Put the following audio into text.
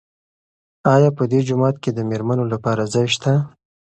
آیا په دې جومات کې د مېرمنو لپاره ځای شته؟